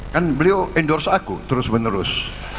kan beliau endorse aku terus menerus